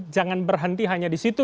jangan berhenti hanya di situ